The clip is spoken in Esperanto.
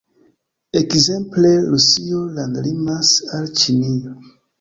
Ekzemple, Rusio landlimas al Ĉinio.